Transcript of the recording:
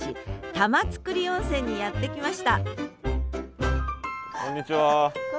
玉造温泉にやって来ましたこんにちは。